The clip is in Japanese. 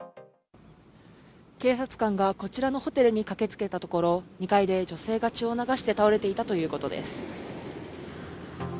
警察官がこちらのホテルに駆けつけたところ、２階で女性が血を流して倒れていたということです。